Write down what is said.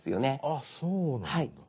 あっそうなんだ。